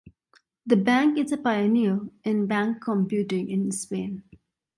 The bank is a pioneer in bank computing in Spain.